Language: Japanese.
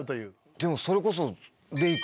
でもそれこそ。